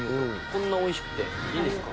こんなおいしくていいんですか？